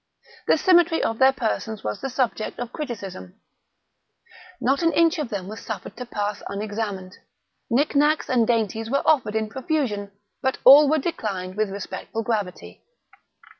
The symmetry of their persons was the subject of criticism; not an inch of them was suffered to pass unexamined; knick knacks and dainties were offered in profusion, but all were declined with respectful gravity.